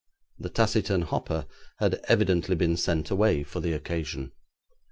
The taciturn Hopper had evidently been sent away for the occasion.